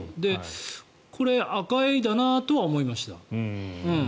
これ、アカエイだなとは思いました。